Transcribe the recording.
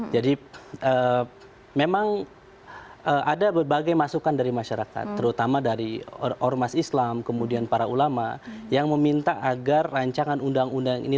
jadi memang ada berbagai masukan dari masyarakat terutama dari ormas islam kemudian para ulama yang meminta agar rancangan undang undang ini